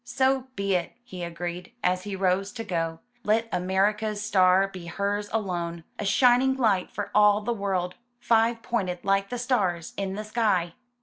''So be it!" he agreed, as he rose to go. ''Let America's star be hers alone — a shining light for all the world, five pointed like the stars in the sky."